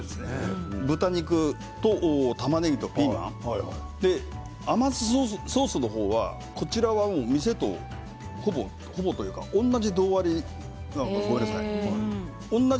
豚肉、たまねぎ、ピーマン甘酢ソースの方は店とほぼというか同じ、同割りです。